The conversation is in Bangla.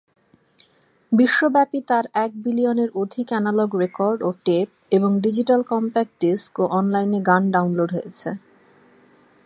বিশ্বব্যাপী তার এক বিলিয়নের অধিক অ্যানালগ রেকর্ড ও টেপ এবং ডিজিটাল কমপ্যাক্ট ডিস্ক ও অনলাইনে গান ডাউনলোড হয়েছে।